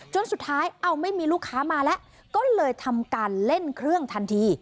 จนสุดท้ายเอาไม่มีลูกค้ามาแล้วก็เลยทำการเล่นเครื่องทันที